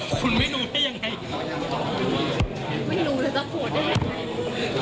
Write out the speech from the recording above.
คุณไม่รู้ได้ยังไงไม่รู้แล้วจะโกรธได้ยังไง